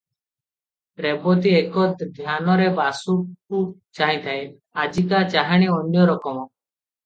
ରେବତୀ ଏକଧ୍ୟାନରେ ବାସୁକୁ ଚାହିଁଥାଏ, ଆଜିକା ଚାହାଁଣି ଅନ୍ୟ ରକମ ।